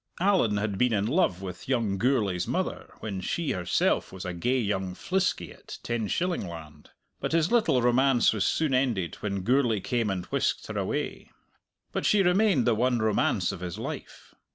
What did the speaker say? Allan had been in love with young Gourlay's mother when she herself was a gay young fliskie at Tenshillingland, but his little romance was soon ended when Gourlay came and whisked her away. But she remained the one romance of his life.